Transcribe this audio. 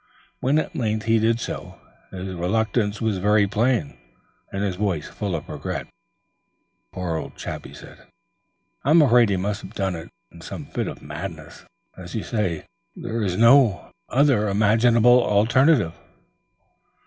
When at length he did so his reluctance was very plain, and his voice full of regret. "Poor old chap," he said. "I'm afraid he must have done it in some fit of madness. As you say, there is no other imaginable alternative."